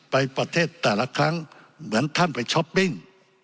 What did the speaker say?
ประเทศแต่ละครั้งเหมือนท่านไปช้อปปิ้ง